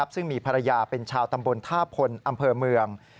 ซึ่งมีภรรยาเป็นชาวตำบลท่าพลอำเภอเมือง